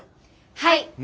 はい。